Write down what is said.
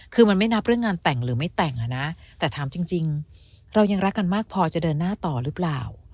คือมันไม่นับเรื่องงานแต่งหรือไม่แต่งอ่ะนะแต่ถามจริงเรายังรักกันมากพอจะเดินหน้าต่อหรือเปล่า